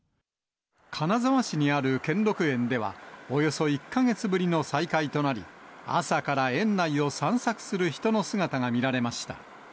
金沢市にある兼六園では、およそ１か月ぶりの再開となり、朝から園内を散策する人の姿が見られました。